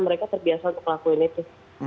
mereka terbiasa untuk ngelakuin itu